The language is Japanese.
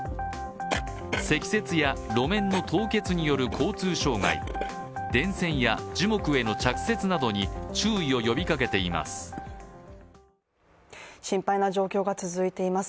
積雪や路面の凍結による交通障害、電線や樹木への着雪などに注意を呼びかけています。